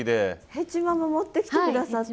ヘチマも持ってきて下さって。